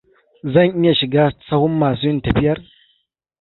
Zan iya shiga sahun masu yin tafiyar.